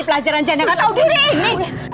belajaran janda gak tahu diri ini